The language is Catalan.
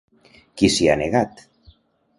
Qui s'hi ha negat?